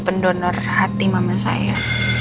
pendonor hati mama saya